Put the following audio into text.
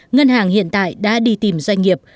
ngân hàng hiện tại đã đi tìm doanh nghiệp